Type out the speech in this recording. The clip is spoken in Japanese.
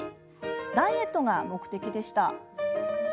ダイエットが目的でした。